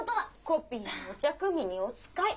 コピーにお茶くみにお使い。